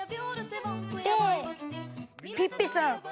ピッピさん！